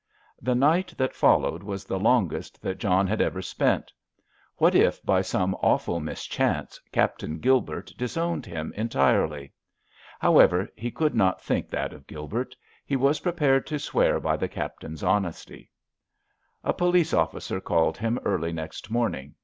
The night that followed was the longest that John had ever spent. What if by some awful mischance Captain Gilbert disowned him entirely? However, he could not think that of Gilbert. He was prepared to swear by the Captain's honesty. A police officer called him early next morning.